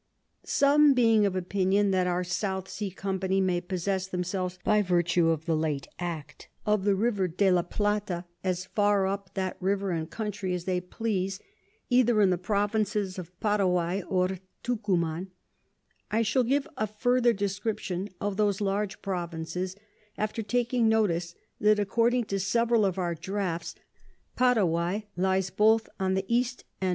Some being of Opinion that our South Sea Company may possess themselves, by virtue of the late Act, of the River de la Plata, as far up that River and Country as they please, either in the Provinces of Paraguay or Tucuman; I shall give a further Description of those large Provinces, after taking notice that according to several of our Draughts Paraguay lies both on the E. and W.